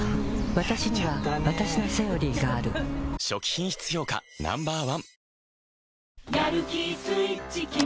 わたしにはわたしの「セオリー」がある初期品質評価Ｎｏ．１